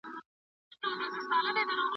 استازي تل د ملي اردو ملاتړ کوي.